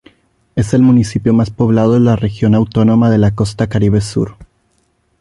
Es el municipio más poblado de la Región Autónoma de la Costa Caribe Sur.